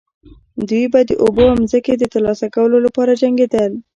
دوی به د اوبو او ځمکې د ترلاسه کولو لپاره جنګیدل.